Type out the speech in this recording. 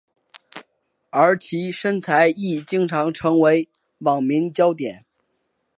而其身材亦经常成为网民焦点。